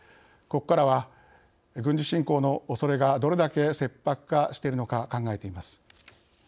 ここからは、軍事侵攻のおそれがどれだけ切迫化しているのか考えてみます。